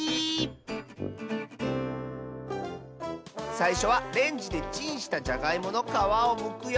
さいしょはレンジでチンしたじゃがいものかわをむくよ。